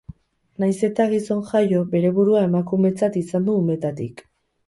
Nahiz eta gizon jaio, bere burua emakumetzat izan du umetatik.